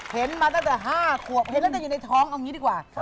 เห็นมาตั้งแต่๕ขวบเห็นแล้วนั่งอยู่ในท้องเอาอย่างนี้ดีกว่า